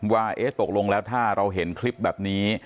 ว่าตกลงแล้วถ้าเราเห็นคลิปแบบนี้